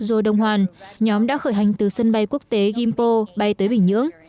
jo dong hwan nhóm đã khởi hành từ sân bay quốc tế gimpo bay tới bình nhưỡng